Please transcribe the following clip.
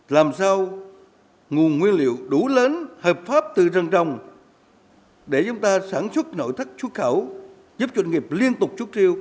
làm sao nguồn nguyên liệu đủ lớn hợp pháp từ răng rồng để chúng ta sản xuất nội thất xuất khẩu giúp doanh nghiệp liên tục xuất triêu ở mức cao